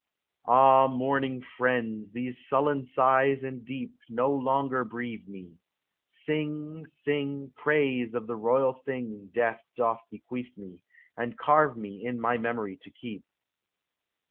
Ah, mourning friends, these sullen sighs and deep No longer breathe me ! Sing, sing Praise of the royal thing Death doth bequeath me, ^ And carve me in my memory to keep